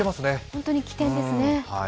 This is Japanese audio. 本当に機転ですね。